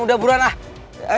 udah buruan ah